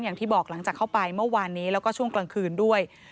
อย่างที่บอกหลังจากเข้าไปเมื่อวานนี้แล้วก็ช่วงกลางคืนด้วย